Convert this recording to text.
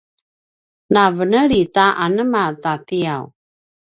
na veneli ti ama ta tiyaw